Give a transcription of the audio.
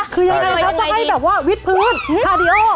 คือยังไงค่ะจะให้แบบวิทพืชทาเดีโอ